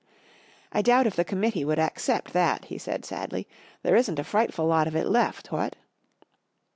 " I doubt if the committee would accept that," he said, sadly. 44 There isn't a fright¬ ful lot of it left, what